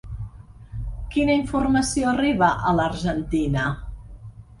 Quina informació arriba a l’Argentina?